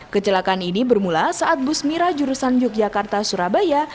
kecelakaan ini bermula saat bus mira jurusan yogyakarta surabaya